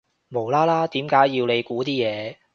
無啦啦點解要估你啲嘢